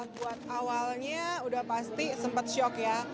buat awalnya udah pasti sempat shock ya